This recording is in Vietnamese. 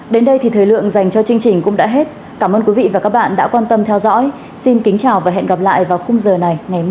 đến đây thì thời lượng dành cho chương trình cũng đã hết cảm ơn quý vị và các bạn đã quan tâm theo dõi xin kính chào và hẹn gặp lại vào khung giờ này ngày mai